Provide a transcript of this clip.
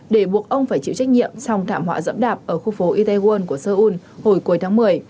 để buộc ông phải chịu trách nhiệm song thảm họa dẫm đạp ở khu phố itaewon của seoul hồi cuối tháng một mươi